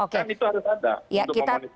kan itu harus ada untuk memonis